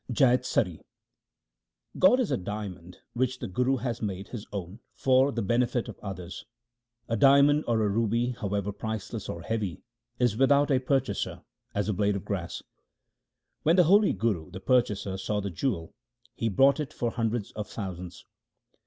Jaitsari God is a diamond which the Guru has made his own for the benefit of others :— A diamond or a ruby, however priceless or heavy, is, without a purchaser, as a blade of grass. When the holy Guru the purchaser saw the jewel, he bought it for hundreds of thousands.